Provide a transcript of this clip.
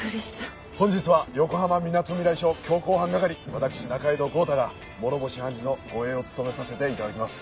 本日は横浜みなとみらい署強行犯係私仲井戸豪太が諸星判事の護衛を務めさせて頂きます。